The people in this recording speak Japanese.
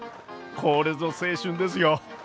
これぞ青春ですよ！